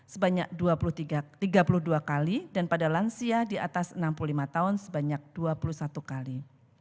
sebanyak tiga puluh dua kali dan pada lansia di atas enam puluh lima tahun sebanyak dua puluh satu kali